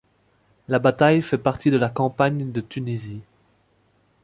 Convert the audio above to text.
La bataille fait partie de la campagne de Tunisie.